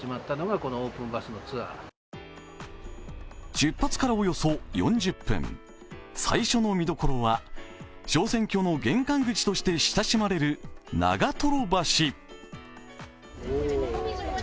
出発からおよそ４０分最初の見所は昇仙峡の玄関口として親しまれる長潭橋。